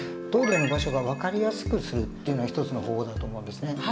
トイレの場所が分かりやすくするっていうのは一つの方法だと思うんですね。